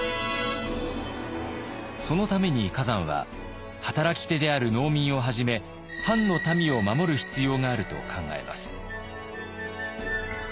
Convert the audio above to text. そのために崋山は働き手である農民をはじめ藩の民を守る必要があると考えます。